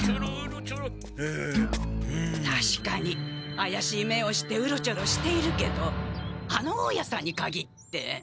あやしい目をしてうろちょろしているけどあの大家さんにかぎって。